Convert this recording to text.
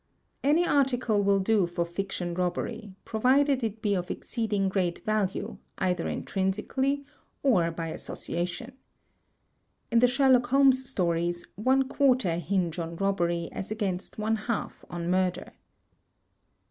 Any article will do for fiction robbery, provided it be of exceeding great value, either intrinsically or by association. In the Sherlock Holmes stories, one quarter hinge on rob bery as against one half on murder.